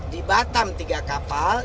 di batam tiga kapal